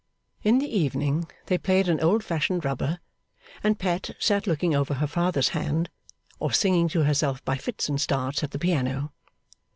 In the evening they played an old fashioned rubber; and Pet sat looking over her father's hand, or singing to herself by fits and starts at the piano.